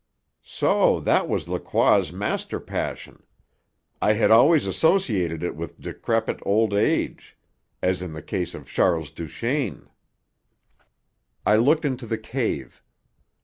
So that was Lacroix's master passion! I had always associated it with decrepit old age, as in the case of Charles Duchaine. I looked into the cave.